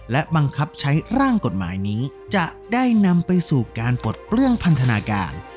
และบังคับใช้ร่างกฎหมายนี้จะได้นำไปสู่การปลดเปลื้องพันธนาการ